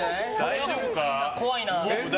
怖いな。